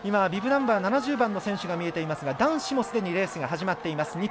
ビブバンバー７０番の選手が見えていますが男子もすでにレースが始まっています。